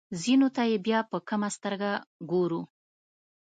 ځینو ته یې بیا په کمه سترګه ګورو.